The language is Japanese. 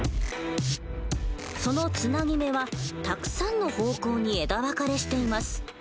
そのつなぎ目はたくさんの方向に枝分かれしています。